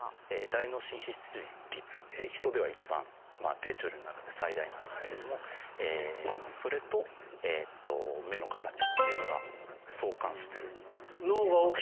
「大脳新皮質率」ヒトでは一番まあ霊長類の中で最大なんですけれどもそれとえと目の形っていうのが相関してる。